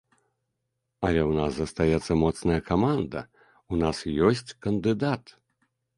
Але ў нас застаецца моцная каманда, у нас ёсць кандыдат.